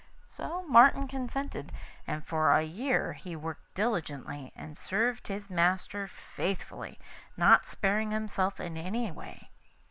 So Martin consented, and for a year he worked diligently, and served his master faithfully, not sparing himself in any way.